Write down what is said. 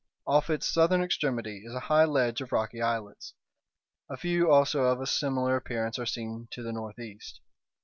Off its southern extremity is a high ledge of rocky islets; a few also of a similar appearance are seen to the northeast.